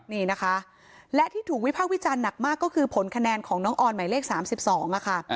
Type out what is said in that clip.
นี่นะคะและที่ถูกวิพากษ์วิจารณ์หนักมากก็คือผลคะแนนของน้องออนหมายเลข๓๒ค่ะ